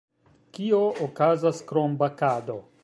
Kio okazas krom bakado?